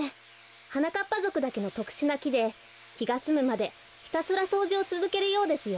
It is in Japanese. はなかっぱぞくだけのとくしゅなきできがすむまでひたすらそうじをつづけるようですよ。